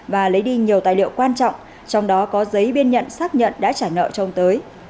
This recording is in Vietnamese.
và lấy đi nhiều tài liệu quan trọng trong đó có giấy biên nhận xác nhận đã trả nợ cho ông tới